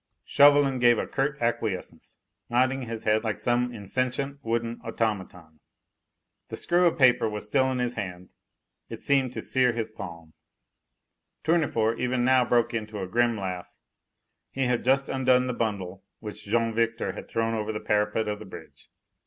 Chauvelin gave a curt acquiescence, nodding his head like some insentient wooden automaton. The screw of paper was still in his hand; it seemed to sear his palm. Tournefort even now broke into a grim laugh. He had just undone the bundle which Jean Victor had thrown over the parapet of the bridge.